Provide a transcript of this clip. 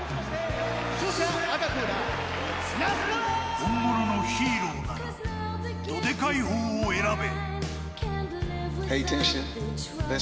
本物のヒーローならどでかいほうを選べ。